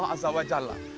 kepada allah swt